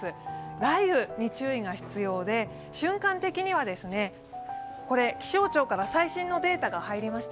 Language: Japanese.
雷雨に注意が必要で、瞬間的には、気象庁から最新のデータが入りました。